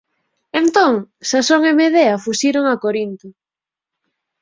Entón Xasón e Medea fuxiron a Corinto.